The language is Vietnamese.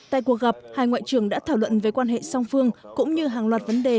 tại cuộc gặp hai ngoại trưởng đã thảo luận về quan hệ song phương cũng như hàng loạt vấn đề